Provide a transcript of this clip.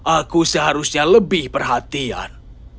aku seharusnya lebih perhatian